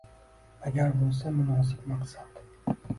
Agar bo'lsa munosib maqsad.